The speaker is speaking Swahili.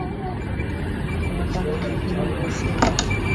na ndio maana kumekuwa na umuhimu wa kufika